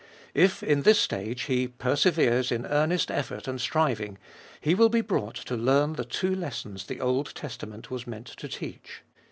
If in this stage he perseveres in earnest effort and striving, he will be brought to learn the two lessons the Old Testament was meant to teach.